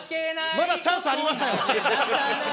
まだチャンスありましたよ。